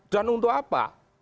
dan untuk apa